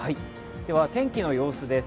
天気の様子です。